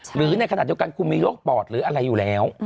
หรือในขณะเดียวกันคุณมีโรคปอดหรืออะไรอยู่แล้ว